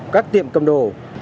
các tiệm cầm đồ